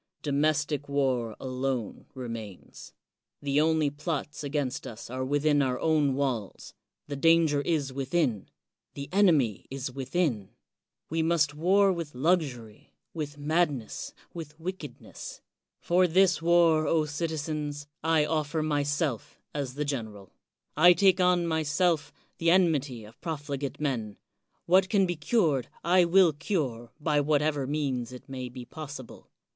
Domestic war alone remains. The only plots against us are within our own walls, — ^the danger is within, — ^the enemy is within. We must war with luxury, with 119 THE WORLD'S FAMOUS ORATIONS madness, with wickedness. For this war, O citi zens, I offer myself as the general I take on myself the enmity of profligate men. What can be cured, I will cure, by whatever means it may be possible.